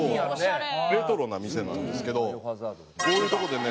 レトロな店なんですけどこういうとこでね。